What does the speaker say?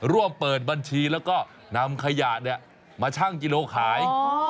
ร่วมเปิดบัญชีแล้วก็นำขยะมาชั่งกิโลขาย